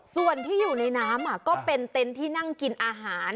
ส่วนที่อยู่ในน้ำก็เป็นเต็นต์ที่นั่งกินอาหาร